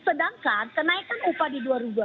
sedangkan kenaikan upah di dua ribu dua puluh